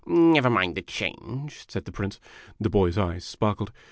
" Never mind the change," said the Prince. The boy's eyes sparkled.